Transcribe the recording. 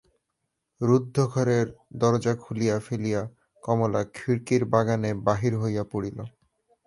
রুদ্ধঘরের দরজা খুলিয়া ফেলিয়া কমলা খিড়কির বাগানে বাহির হইয়া পড়িল।